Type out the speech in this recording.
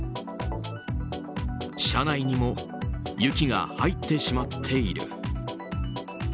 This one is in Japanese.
車内にも雪が入ってしまっている。